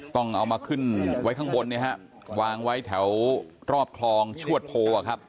ต้องเอามาขึ้นไว้ข้างบนเนี่ยฮะวางไว้แถวรอบคลองชวดโพะครับ